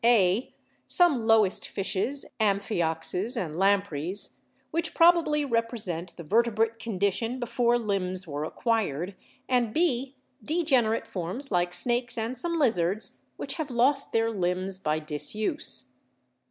(a) some lowest fishes, amphi oxus and lampreys, which probably represent the verte brate condition before limbs were acquired; and (b) degenerate forms like snakes and some lizards, which have lost their limbs by disuse.